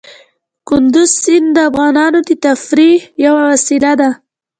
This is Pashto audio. کندز سیند د افغانانو د تفریح یوه وسیله ده.